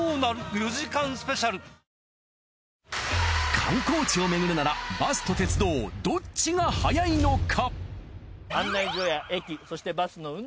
観光地を巡るならバスと鉄道どっちが早いのか？